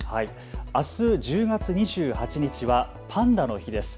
あす１０月２８日はパンダの日です。